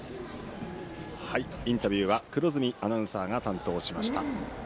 インタビューは黒住アナウンサーでした。